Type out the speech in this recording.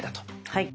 はい。